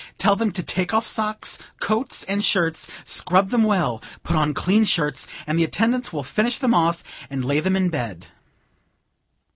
Tell them to take off socks, coats and shirts, scrub them well, put on clean shirts, and the attendants will finish them off, and lay them in bed."